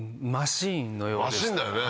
マシンだよね。